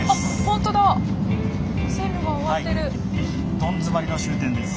どん詰まりの終点です。